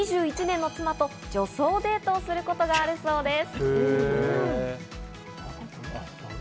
今では結婚２１年の妻と女装デートをすることがあるそうです。